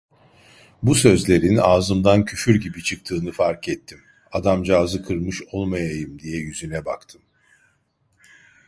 Bu sözlerin ağzımdan küfür gibi çıktığını fark ettim, adamcağızı kırmış olmayayım, diye yüzüne baktım.